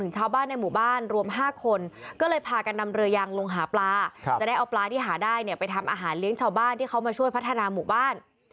จะได้เอาปลาที่หาได้ไปทำอาหารเลี้ยงชาวบ้านที่เขามาช่วยพัฒนาหมู่บ้าน